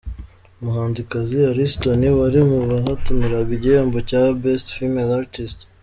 Umuhanzikazi Alice Tonny wari mu bahataniraga igihembo cya Best Female artist.